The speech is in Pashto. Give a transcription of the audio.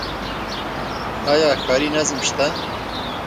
آیا ښاري نظم شته؟